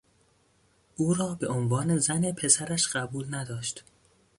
او را به عنوان زن پسرش قبول نداشت.